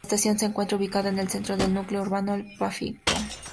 La estación se encuentra ubicada en el centro del núcleo urbano de Pfäffikon.